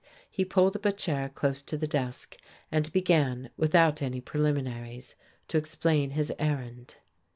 He pulled up a chair close to the desk and began, without any preliminaries, to explain his errand.